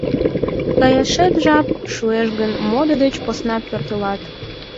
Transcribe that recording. — Каяшет жап шуэш гын, модо деч посна пӧртылат.